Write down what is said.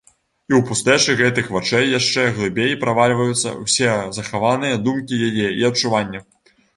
І ў пустэчы гэтых вачэй яшчэ глыбей правальваюцца ўсе захаваныя думкі яе і адчуванні.